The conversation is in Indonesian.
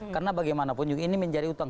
karena bagaimanapun ini menjadi utang